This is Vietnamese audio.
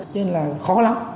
cho nên là khó lắm